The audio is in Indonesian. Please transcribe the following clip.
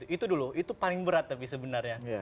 itu dulu itu paling berat tapi sebenarnya